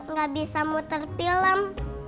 nggak bisa muter film